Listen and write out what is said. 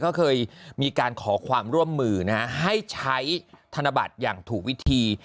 ก็เคยมีการขอความร่วมมือนะฮะให้ใช้ธนบัตรอย่างถูกวิธี